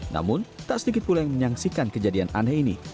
namun tak sedikit pula yang menyaksikan kejadian aneh ini